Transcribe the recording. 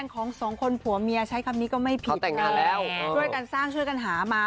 ของสองคนผัวเมียใช้คำนี้ก็ไม่ผิดแต่งงานแล้วช่วยกันสร้างช่วยกันหามา